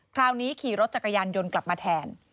คราวนี้ขี่รถจักรยานยนต์กลับมาแทน